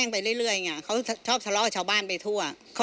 มีลูกกระสุนด้วย